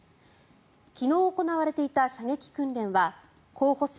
昨日行われていた射撃訓練は候補生